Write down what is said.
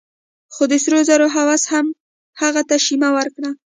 خو د سرو زرو هوس هغه ته شيمه ورکړه.